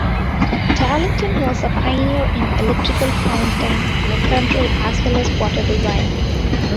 Darlington was a pioneer in electrical fountain control as well as water design.